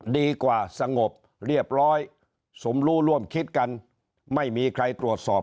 ดีกว่าสงบเรียบร้อยสมรู้ร่วมคิดกันไม่มีใครตรวจสอบ